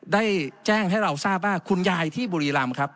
ได้แจ้งให้เราทราบว่าคุณยายที่บุรีรำครับ